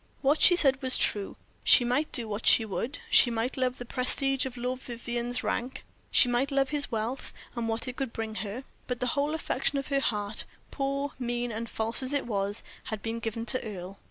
What she said was true she might do what she would, she might love the prestige of Lord Vivianne's rank, she might love his wealth, and what it could bring her, but the whole affection of her heart poor, mean, and false as it was had been given to Earle.